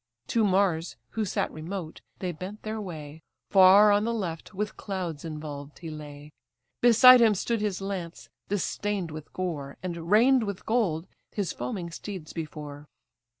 To Mars, who sat remote, they bent their way: Far, on the left, with clouds involved he lay; Beside him stood his lance, distain'd with gore, And, rein'd with gold, his foaming steeds before.